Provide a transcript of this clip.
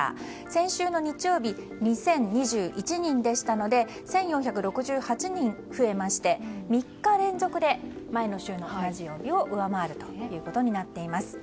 先週の日曜日２０２１人でしたので１４６８人増えまして３日連続で前の週の同じ曜日を上回ることになっています。